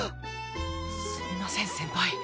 すみません先輩。